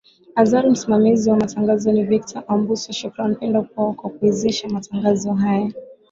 azar msimamizi wa matangazo ni victor ambuso shukran pendo poa kwa kuwezesha matangazo haya